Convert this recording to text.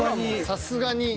さすがに。